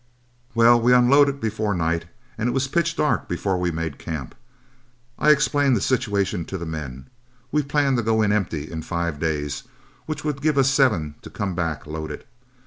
Well, we unloaded before night, and it was pitch dark before we made camp. I explained the situation to the men. We planned to go in empty in five days, which would give us seven to come back loaded.